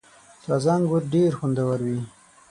• تازه انګور ډېر خوندور وي.